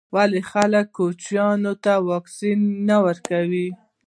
ولي خلګ کوچنیانو ته واکسین نه ورکوي.